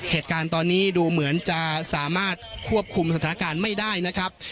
เหตุการณ์นี้ดูเหมือนจะสามารถควบคุมสถานการณ์ไม่ได้นะครับ